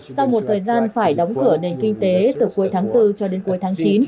sau một thời gian phải đóng cửa nền kinh tế từ cuối tháng bốn cho đến cuối tháng chín